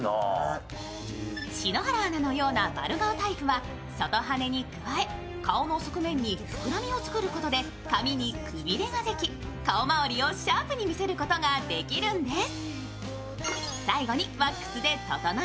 篠原アナのような丸顔タイプは外ハネに加え、顔の側面に膨らみを作ることで髪にくびれができ、顔周りをシャープに見せることができるんです。